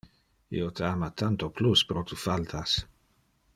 Io te ama tanto plus pro tu faltas.